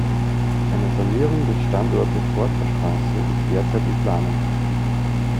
Eine Sanierung des Standortes Horster Straße ist derzeit in Planung.